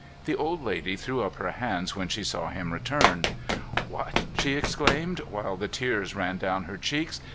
The old lady threw up her hands when she saw him return. "What!" she exclaimed, while the tears ran down her cheeks.